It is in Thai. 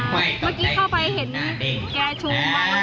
เมื่อกี้เข้าไปเห็นแก่ชูมาก